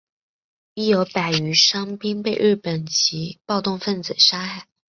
亦有百余伤兵被日本籍暴动分子杀害。